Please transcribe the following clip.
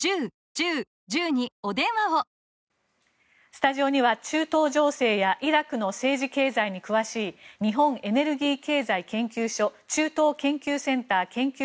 スタジオには中東情勢やイラクの政治経済に詳しい日本エネルギー経済研究所中東研究センター研究